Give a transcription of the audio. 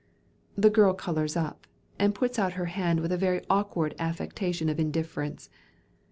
The girl colours up, and puts out her hand with a very awkward affectation of indifference.